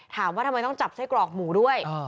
ถามว่าทำไมต้องจับไส้กรอกหมูด้วย